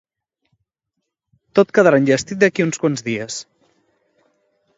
Tot quedarà enllestit d'aquí a uns quants dies.